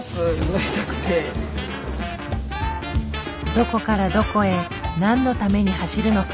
どこからどこへ何のために走るのか。